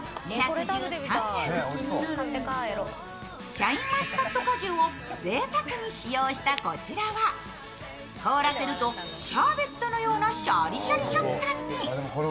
シャインマスカット果汁をぜいたくに使用したこちらは凍らせるとシャーベットのようなシャリシャリ食感に。